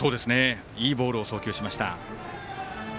いいボールを送球しました。